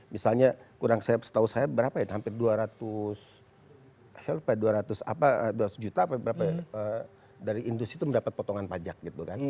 misalnya kurang setahu saya berapa ya hampir dua ratus dua ratus juta dari industri itu mendapat potongan pajak gitu kan